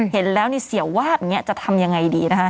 เห็นแล้วเสี่ยววาบจะทำยังไงดี